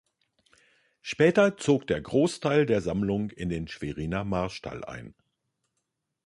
Später zog der Großteil der Sammlung in den Schweriner Marstall ein.